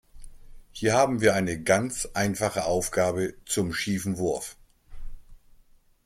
Hier haben wir eine ganz einfache Aufgabe zum schiefen Wurf.